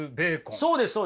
そうですそうです。